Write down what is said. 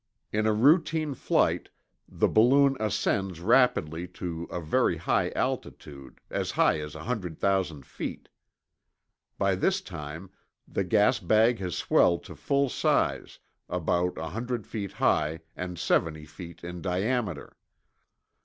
In a routine flight, the balloon ascends rapidly to a very high altitude as high as 100,000 feet. By this time the gas bag has swelled to full size, about l00 feet high and 70 feet in diameter.